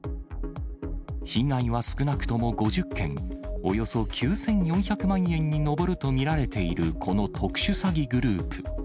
被害は少なくとも５０件、およそ９４００万円に上ると見られているこの特殊詐欺グループ。